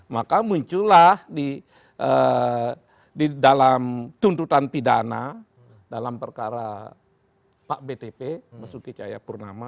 maka muncullah di dalam tuntutan pidana dalam perkara pak btp masuki cahaya purnama